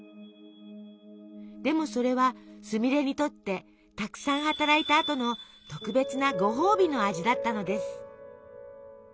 でもそれはすみれにとってたくさん働いた後の特別な「ごほうびの味」だったのです。